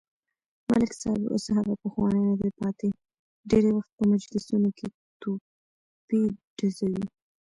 ملک صاحب اوس هغه پخوانی ندی پاتې، ډېری وخت په مجلسونو کې توپې ډزوي.